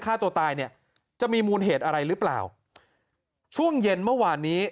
ฆ่าตัวตายเนี่ยจะมีมูลเหตุอะไรหรือเปล่าช่วงเย็นเมื่อวานนี้